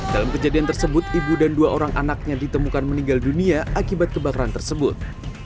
dalam kejadian tersebut ibu dan dua orang anaknya ditemukan meninggal dunia akibat kebakaran tersebut